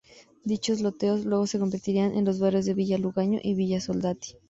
Dichos loteos luego se convertirían en los barrios de Villa Lugano y Villa Soldati.